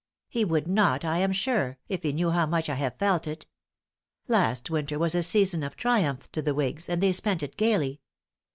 He would not, I am sure, if he knew how much I have felt it. Last winter was a season of triumph to the whigs, and they spent it gaily.